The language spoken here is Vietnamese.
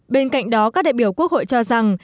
bên cạnh đó các đại biểu quốc hội cho rằng